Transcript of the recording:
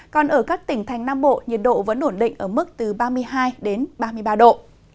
còn ở các tỉnh thành nam bộ nhiệt độ vẫn ổn định ở mức từ ba mươi hai đến ba mươi ba độ